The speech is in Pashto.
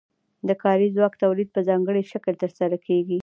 د کاري ځواک تولید په ځانګړي شکل ترسره کیږي.